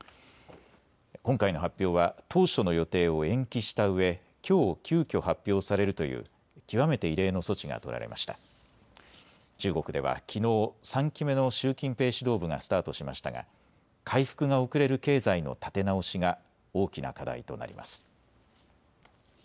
今回の発表は当初の予定を延期したうえきょう、急きょ発表されるという極めて異例の措置が取られましたが中国ではきのう３期目の習近平指導部がスタートしましたが回復が遅れる経済の立て直しが大きな課題となります。